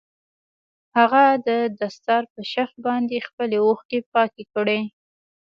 هغه د دستار په شف باندې خپلې اوښکې پاکې کړې.